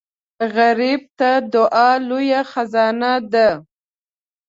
غریب ته دعا لوی خزانه ده